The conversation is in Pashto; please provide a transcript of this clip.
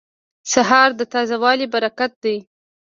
سهار د تازه والي برکت دی.